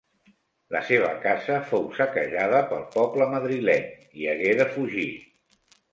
La seva casa fou saquejada pel poble madrileny, i hagué de fugir.